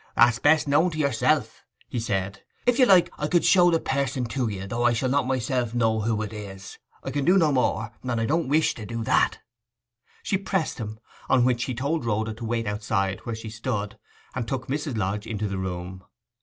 'That's best known to yourself,' he said. 'If you like, I can show the person to you, though I shall not myself know who it is. I can do no more; and don't wish to do that.' She pressed him; on which he told Rhoda to wait outside where she stood, and took Mrs. Lodge into the room.